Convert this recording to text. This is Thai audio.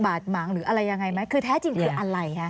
หมางหรืออะไรยังไงไหมคือแท้จริงคืออะไรคะ